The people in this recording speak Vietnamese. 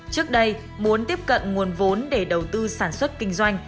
trước đây muốn tiếp cận nguồn vốn để đầu tư sản xuất kinh doanh